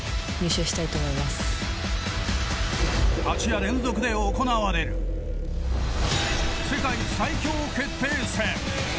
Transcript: ８夜連続で行われる世界最強決定戦。